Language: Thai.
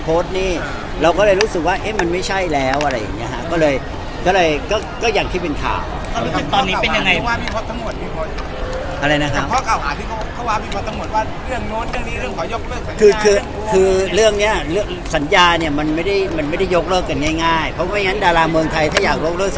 ๕ปีคือเซ็นมาทั้งหมด๕ปีแล้วหมดไปแล้วแล้วมาเซ็นใหม่ตอนนี้หมดผ่านไป๒ปีหรืออีก๓ปี